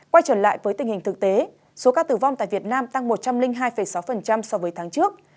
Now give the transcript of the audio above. quay trở lại với tình hình thực tế số ca tử vong tại việt nam tăng một trăm linh hai sáu so với tháng trước